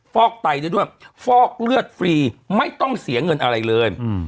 ฟอกไตได้ด้วยฟอกเลือดฟรีไม่ต้องเสียเงินอะไรเลย